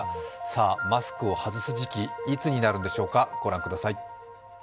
さあ、マスクを外す時期、いつになるのでしょうか、御覧ください。